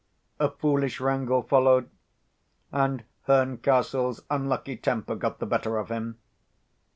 A foolish wrangle followed; and Herncastle's unlucky temper got the better of him.